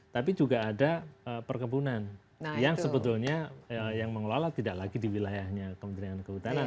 tapi juga ada perkebunan yang sebetulnya yang mengelola tidak lagi di wilayahnya kementerian kehutanan